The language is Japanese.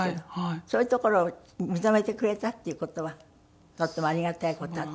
そういうところを認めてくれたっていう事はとってもありがたい事だと。